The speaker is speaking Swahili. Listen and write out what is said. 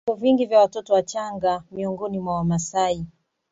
Vifo vingi vya watoto wachanga miongoni mwa Wamasai